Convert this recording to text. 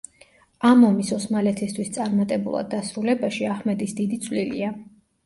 ამ ომის ოსმალეთისთვის წარმატებულად დასრულებაში, აჰმედის დიდი წვლილია.